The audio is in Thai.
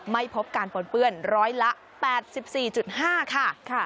ไม่พบการปนเปื้อนร้อยละ๘๔๕ค่ะ